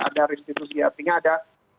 ada restitusi artinya ada